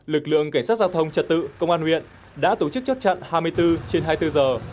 lực lượng cảnh sát giao thông trật tự công an huyện đã tổ chức chốt chặn hai mươi bốn trên hai mươi bốn giờ